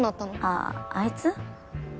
あああいつ？